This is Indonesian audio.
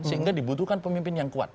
sehingga dibutuhkan pemimpin yang kuat